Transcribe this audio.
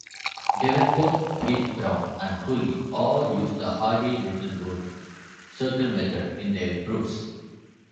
Davenport, Heath-Brown and Hooley all used the Hardy-Littlewood circle method in their proofs.